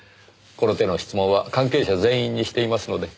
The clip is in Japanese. この手の質問は関係者全員にしていますので。